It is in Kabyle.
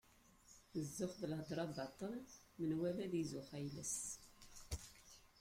Zzux d lhedra baṭel, menwala ad izuxx ayla-s.